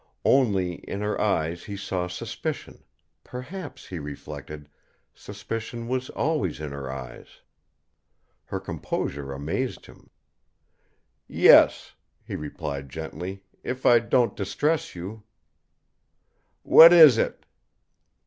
Only, in her eyes he saw suspicion perhaps, he reflected, suspicion was always in her eyes. Her composure amazed him. "Yes," he replied gently; "if I don't distress you " "What is it?"